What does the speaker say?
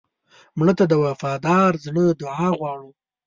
مړه ته د وفادار زړه دعا غواړو